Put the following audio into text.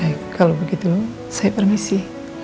baik kalau begitu saya permisi